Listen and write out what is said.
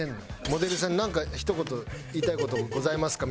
「モデルさんなんかひと言言いたい事ございますか？